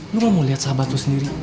lo gak mau liat sahabat lo sendiri